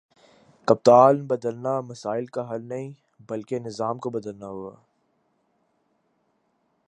کپتان بدلنا مسائل کا حل نہیں بلکہ نظام کو بدلنا ہوگا